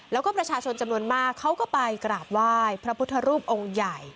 แล้วก็ประชาชนจำนวนมากเขาก็ไปกราบไหว้พระพุทธรูปองค์ใหญ่